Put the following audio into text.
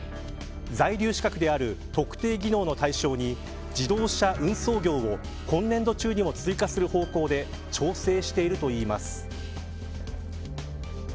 在留資格である特定技能の対象に自動車運送業を今年度中にも追加する方向で調整しているといいます。